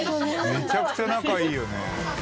「めちゃくちゃ仲いいよね」